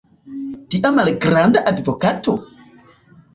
tia malgranda advokato?